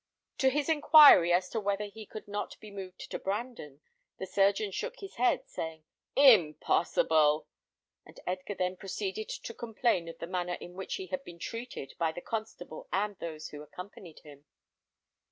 To his inquiry as to whether he could not be moved to Brandon, the surgeon shook his head, saying, "Impossible;" and Edgar then proceeded to complain of the manner in which he had been treated by the constable and those who accompanied him.